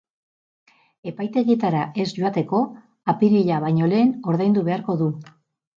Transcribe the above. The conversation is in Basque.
Epaitegietara ez joateko, apirila baino lehen ordaindu beharko du.